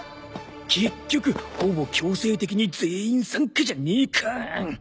結局ほぼ強制的に全員参加じゃねえか。